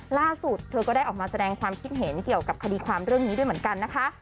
ล่าสุดเธอก็ได้ออกมาแสดงความคิดเห็นเกี่ยวกับคดีความเรื่องนี้ด้วยเหมือนกันนะคะ